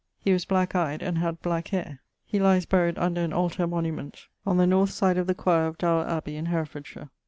He was black eyed and had black hayre. He lies buried under an altar monument on the north side of the choire of Dowr abbey in Herefordshire.